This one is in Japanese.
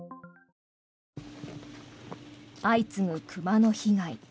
相次ぐ熊の被害。